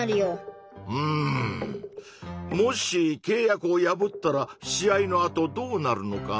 もしけい約を破ったら試合のあとどうなるのかな？